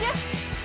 oh cek cek dia